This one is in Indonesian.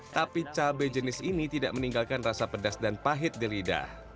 tapi cabai jenis ini tidak meninggalkan rasa pedas dan pahit di lidah